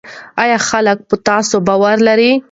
آیا خلک په تاسو باور لري؟